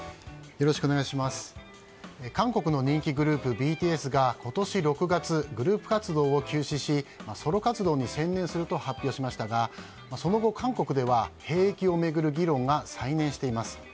韓国の人気グループＢＴＳが今年６月グループ活動を休止しソロ活動に専念すると発表しましたがその後、韓国では兵役を巡る議論が再燃しています。